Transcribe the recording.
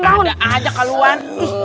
ada aja kaluan